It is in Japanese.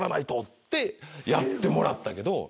とってやってもらったけど。